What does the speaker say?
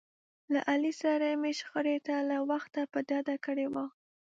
له علي سره مې شخړې ته له وخته په ډډه کړي و.